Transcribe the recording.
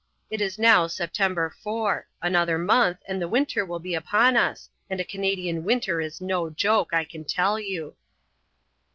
It is now September 4. Another month and the winter will be upon us, and a Canadian winter is no joke, I can tell you."